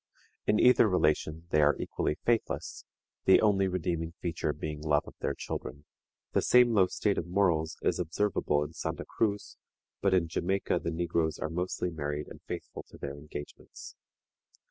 In either relation they are equally faithless, the only redeeming feature being love of their children. The same low state of morals is observable in Santa Cruz, but in Jamaica the negroes are mostly married and faithful to their engagements.